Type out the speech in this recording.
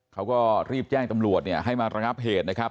เขาก็รีบแจ้งตำรวจเนี่ยให้มาระงับเหตุนะครับ